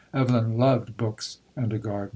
Evelyn loved "books and a garden."